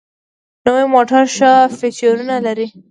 نوي موټر ښه فیچرونه لري.